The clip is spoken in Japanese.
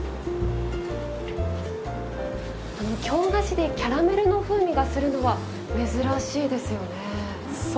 京菓子でキャラメルの風味がするのは珍しいですよね。